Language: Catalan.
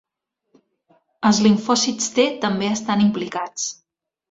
Els limfòcits T també estan implicats.